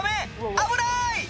危ない！